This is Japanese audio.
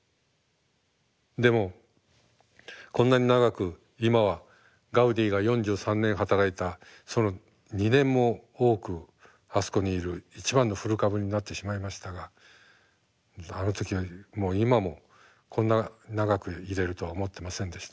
でもこんなに長く今はガウディが４３年働いたその２年も多くあそこにいる一番の古株になってしまいましたがあの時もう今もこんな長くいれるとは思ってませんでした。